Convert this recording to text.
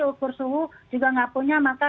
ukur suhu juga nggak punya maka